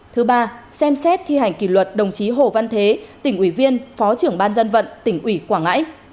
thứ ba xem xét thi hành kỷ luật đồng chí hồ văn thế tỉnh ủy viên phó trưởng ban dân vận tỉnh ủy quảng ngãi